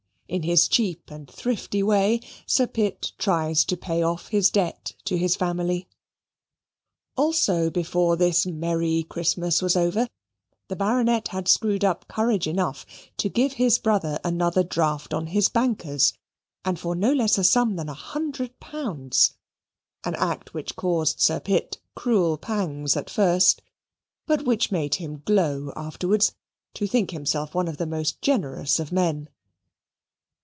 In this cheap and thrifty way Sir Pitt tries to pay off his debt to his family. Also before this merry Christmas was over, the Baronet had screwed up courage enough to give his brother another draft on his bankers, and for no less a sum than a hundred pounds, an act which caused Sir Pitt cruel pangs at first, but which made him glow afterwards to think himself one of the most generous of men.